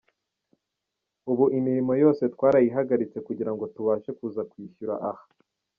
Ubu imirimo yose twarayihagaritse kugira ngo tubashe kuza kwishyura aha.